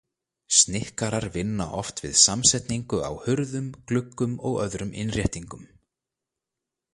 Snikkarar vinna oft við samsetningu á hurðum gluggum og öðrum innréttingum.